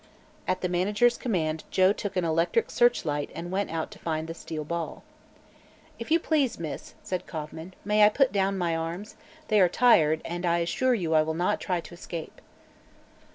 At the manager's command Joe took an electric searchlight and went out to find the steel ball. "If you please, miss," said Kauffman, "may I put down my arms? They are tired, and I assure you I will not try to escape."